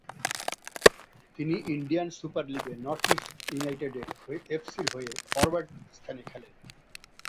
তিনি Indian super লীগে north east united F সির হয়ে ফরওয়ার্ড স্থানে খেলেন।